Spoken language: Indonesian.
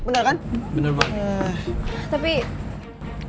kalau lo ngikutin semua kemauannya dia lo bakal jadi paham